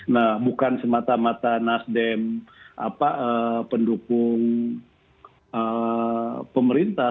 nah bukan semata mata nasdem pendukung pemerintah